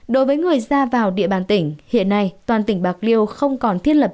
đối với người ra vào địa bàn tỉnh hiện nay toàn tỉnh bạc liêu không còn thiết lập